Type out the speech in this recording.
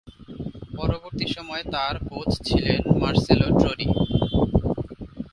পরবর্তী সময়ে তার কোচ ছিলেন মার্সেলো ড্রডি।